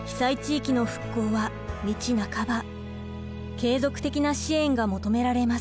継続的な支援が求められます。